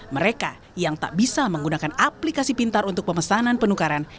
mereka yang tak bisa menggunakan aplikasi pintar untuk pemesanan penukaran